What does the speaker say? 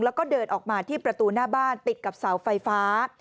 แล้วก็เดินออกมาที่ประตูหน้าบ้านติดกับเสาไฟฟ้า